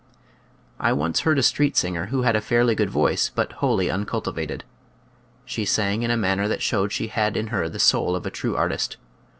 I once heard a street singer who had a fairly good voice but wholly uncultivated. She sang in a manner that showed she had in her the soul of a true artist.